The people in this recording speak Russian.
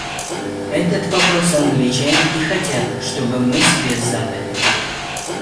Этот вопрос англичане и хотят, чтобы мы себе задали.